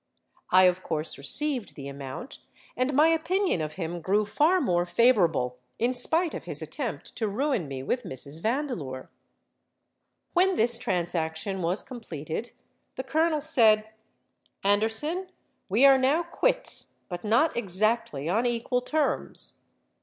—I of course received the amount, and my opinion of him grew far more favourable, in spite of his attempt to ruin me with Mrs. Vandeleur. "When this transaction was completed, the Colonel said, 'Anderson, we are now quits, but not exactly on equal terms.